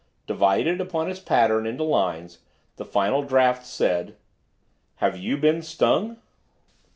Divided, upon his pattern, into lines, the final draft read: HAVE YOU BEEN STUNG?